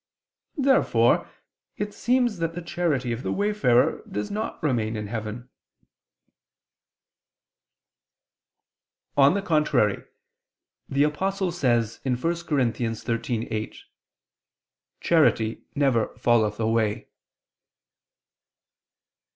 Therefore it seems that the charity of the wayfarer does not remain in heaven. On the contrary, The Apostle says (1 Cor. 13:8): "Charity never falleth away."